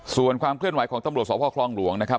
ส่วนความเคลื่อนไหวของตำรวจสพคลองหลวงนะครับ